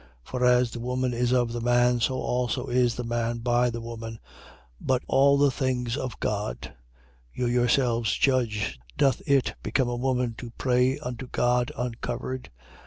11:12. For as the woman is of the man, so also is the man by the woman: but all things of God. 11:13. You yourselves judge. Doth it become a woman to pray unto God uncovered?